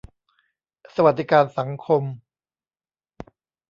สวัสดิการสังคม